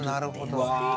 あなるほど。